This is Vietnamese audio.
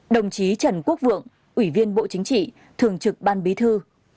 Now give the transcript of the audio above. đồng chí trần quốc vượng ủy viên bộ chính trị thường trực ban bí thư